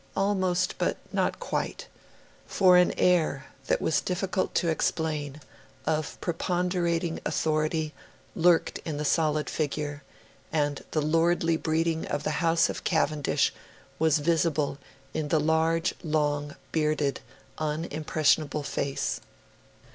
Almost, but not quite. For an air that was difficult to explain, of preponderating authority, lurked in the solid figure; and the lordly breeding of the House of Cavendish was visible in the large, long, bearded, unimpressionable face.